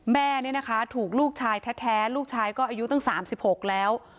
แม่เนี่ยนะคะถูกลูกชายแท้ลูกชายก็อายุตั้ง๓๖แล้ว